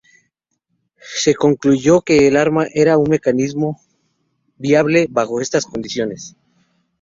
Se concluyó que el arma era un mecanismo viable bajo estas condiciones.